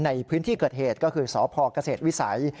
ในพื้นที่เกิดเหตุก็คือสพเกษตรวิสัย